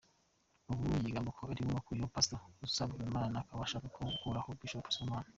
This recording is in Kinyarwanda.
Ubu yigamba ko ariwe wakuyeho Pastor Usabwimana akaba ashaka no gukuraho Bishop Sibomana.